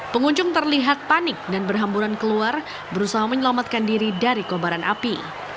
pengunjung terlihat panik dan berhamburan keluar berusaha menyelamatkan diri dari kobaran api